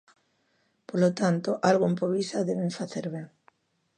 Polo tanto, algo en Povisa deben facer ben.